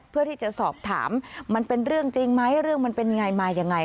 เพื่อที่จะสอบถามมันเป็นเรื่องจริงไหมเรื่องมันเป็นไงมายังไง